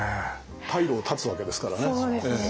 退路を断つわけですからね。